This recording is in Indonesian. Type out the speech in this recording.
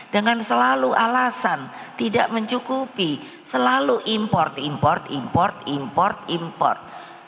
dengan selalu alasan tidak mencukupi selalu import import import import import